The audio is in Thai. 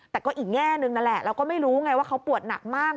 แต่ก็อีกแง่นึงนั่นแหละเราก็ไม่รู้ไงว่าเขาปวดหนักมาก